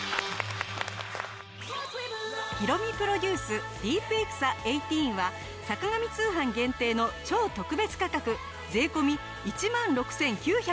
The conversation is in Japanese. ヒロミプロデュースディープエクサ１８は『坂上通販』限定の超特別価格税込１万６９８０円。